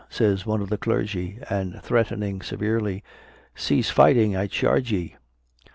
Says one of the clergy, And threat'ning severely, Cease fighting, I charge ye.